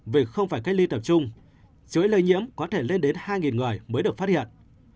vì không phải cách ly tập trung số lây nhiễm có thể lên đến hai người mới được phát hiện